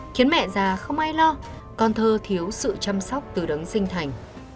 khiến mẹ già không ai lo con thơ thiếu sự chăm sóc từ đấng sinh thành